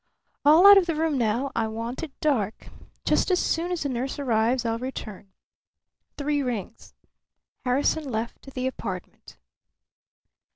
"All out of the room now. I want it dark. Just as soon as the nurse arrives I'll return. Three rings." Harrison left the apartment.